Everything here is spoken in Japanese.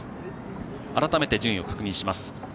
改めて、順位を確認します。